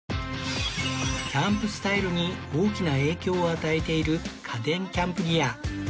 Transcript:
キャンプスタイルに大きな影響を与えている家電キャンプギア